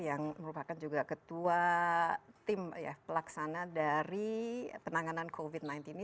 yang merupakan juga ketua tim pelaksana dari penanganan covid sembilan belas ini